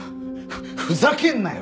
ふざけんなよ！